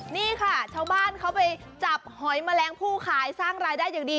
นี่ค่ะชาวบ้านเขาไปจับหอยแมลงผู้ขายสร้างรายได้อย่างดี